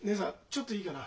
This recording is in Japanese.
ちょっといいかな？